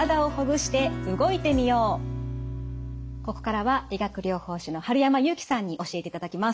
ここからは理学療法士の春山祐樹さんに教えていただきます。